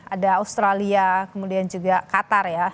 ada australia kemudian juga qatar ya